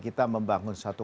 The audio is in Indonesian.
dengan membangun kota baru